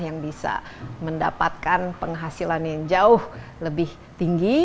yang bisa mendapatkan penghasilan yang jauh lebih tinggi